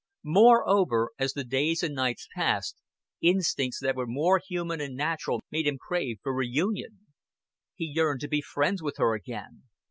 Moreover, as the days and nights passed, instincts that were more human and natural made him crave for re union. He yearned to be friends with her again.